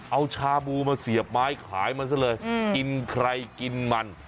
เอาชาบูมาเสียบไม้ขายมันซะเลยกินใครกินมัน